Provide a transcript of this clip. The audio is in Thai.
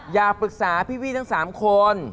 อยากปรึกษาพี่ทั้ง๓คน